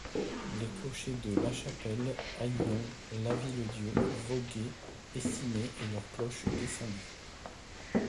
Les clochers de La Chapelle, Ailhon, Lavilledieu, Vogué écimés et leurs cloches descendues.